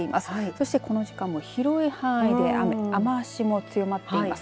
そしてこの時間も広い範囲で雨雨足も強まっています。